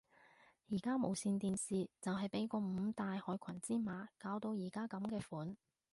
而家無線電視就係被嗰五大害群之馬搞到而家噉嘅款